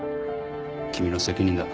君の責任だ。